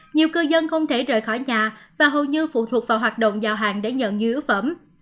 nhiều cư dân không thể rời khỏi nhà và hầu như phụ thuộc vào hoạt động giao hàng để nhận nhu yếu phẩm